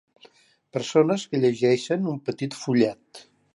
Persones que llegeixen un petit fullet.